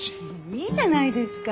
いいじゃないですか。